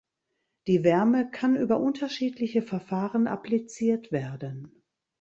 Die Wärme kann über unterschiedliche Verfahren appliziert werden.